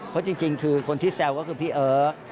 เพราะจริงคือคนที่แซวก็คือพี่เอิร์ท